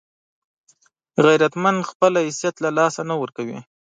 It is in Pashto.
غیرتمند خپل حیثیت له لاسه نه ورکوي